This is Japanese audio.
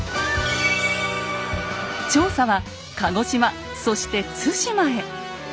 調査は鹿児島そして対馬へ。